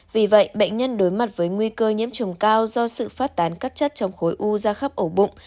vì vậy bệnh nhân đối mặt với nguy cơ nhiễm trùng cao do sự phát tán các chất trong khối u ra khắp ổ bụng